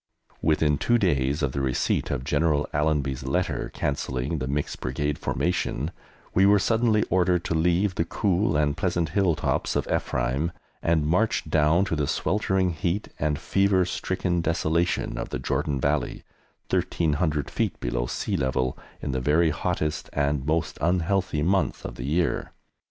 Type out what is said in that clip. Within two days of the receipt of General Allenby's letter cancelling the mixed Brigade formation, we were suddenly ordered to leave the cool and pleasant hill tops of Ephraim and march down to the sweltering heat and fever stricken desolation of the Jordan Valley, 1,300 feet below sea level, in the very hottest and most unhealthy month of the year.